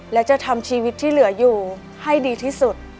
และจะทำชีวิตที่เหลืออยู่ให้ดีที่สุด